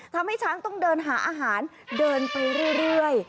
ทำให้ช้างต้องเดินหาอาหารเดินไปเรื่อย